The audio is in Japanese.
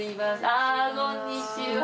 ああこんにちは。